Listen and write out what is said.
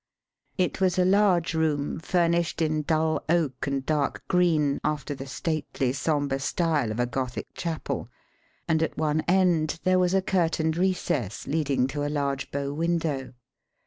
It was a large room furnished in dull oak and dark green after the stately, sombre style of a Gothic chapel, and at one end there was a curtained recess leading to a large bow window.